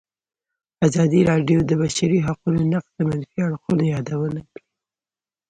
ازادي راډیو د د بشري حقونو نقض د منفي اړخونو یادونه کړې.